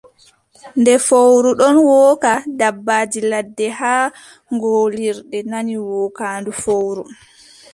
Nde fowru ɗon wooka, dabbaaji ladde haa ngoolirde nani wookaandu fowru.